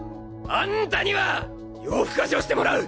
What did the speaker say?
あんたには夜更かしをしてもらう！